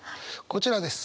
こちらです。